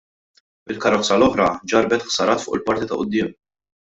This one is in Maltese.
Il-karozza l-oħra ġarrbet ħsarat fuq il-parti ta' quddiem.